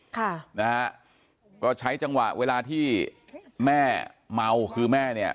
ค่ะนะฮะก็ใช้จังหวะเวลาที่แม่เมาคือแม่เนี่ย